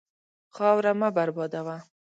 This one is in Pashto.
خاوره مه بربادوه.